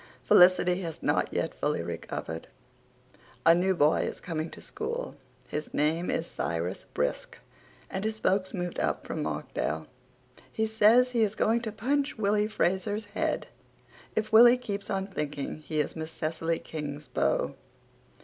Felicity has not yet fully recovered. A new boy is coming to school. His name is Cyrus Brisk and his folks moved up from Markdale. He says he is going to punch Willy Fraser's head if Willy keeps on thinking he is Miss Cecily King's beau.